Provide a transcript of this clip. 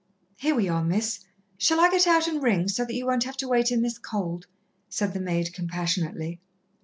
"Here we are, Miss. Shall I get out and ring, so that you won't have to wait in this cold?" said the maid compassionately.